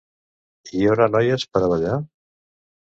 Hi haurà noies per a ballar?